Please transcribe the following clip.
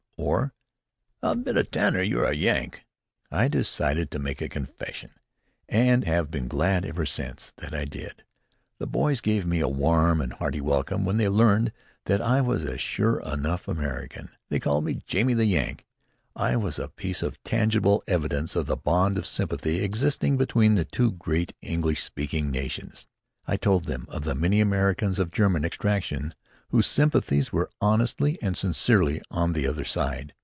or, "I'll bet a tanner you're a Yank!" I decided to make a confession, and I have been glad, ever since, that I did. The boys gave me a warm and hearty welcome when they learned that I was a sure enough American. They called me "Jamie the Yank." I was a piece of tangible evidence of the bond of sympathy existing between the two great English speaking nations. I told them of the many Americans of German extraction, whose sympathies were honestly and sincerely on the other side.